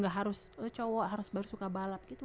gak harus cowok harus baru suka balap gitu